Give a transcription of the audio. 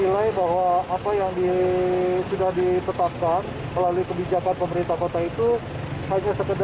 pembatasan tersebut diperlukan untuk mengembangkan keuntungan dan keuntungan masyarakat